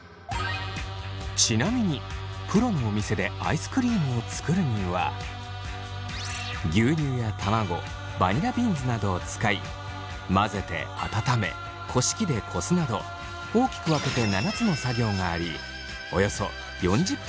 ちなみにプロのお店でアイスクリームを作るには牛乳や卵バニラビーンズなどを使い混ぜて温めこし器でこすなど大きく分けて７つの作業がありおよそ４０分かかります。